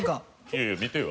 いやいや見てよ